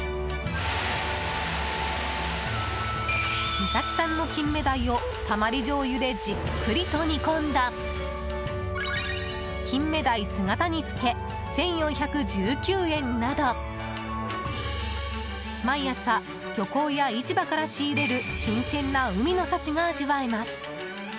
三崎産のキンメダイをたまりじょうゆでじっくりと煮込んだ金目鯛姿煮付、１４１９円など毎朝、漁港や市場から仕入れる新鮮な海の幸が味わえます。